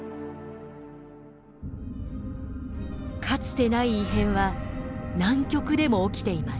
かつてない異変は南極でも起きています。